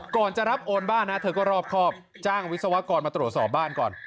ก่อนจะรับโอนบ้านนะเธอก็รอบครอบจ้างวิศวกรมาตรวจสอบบ้านก่อน